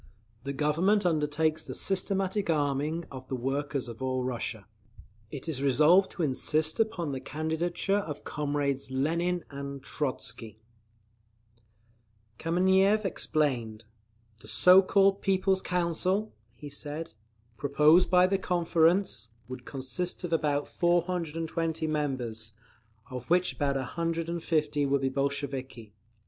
The Government undertakes the systematic arming of the workers of all Russia. It is resolved to insist upon the candidature of comrades Lenin and Trotzky. Kameniev explained. "The so called 'People's Council,'" he said, "proposed by the Conference, would consist of about 420 members, of which about 150 would be Bolsheviki.